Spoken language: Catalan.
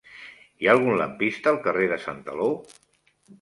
Hi ha algun lampista al carrer de Santaló?